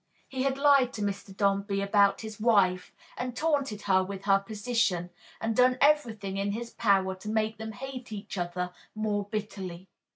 He had lied to Mr. Dombey about his wife and taunted her with her position, and done everything in his power to make them hate each other more bitterly.